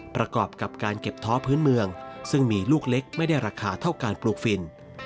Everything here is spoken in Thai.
ประกอบกับการเก็บท้อพื้นเมืองซึ่งมีลูกเล็กไม่ได้ราคาเท่าการปลูกฟิน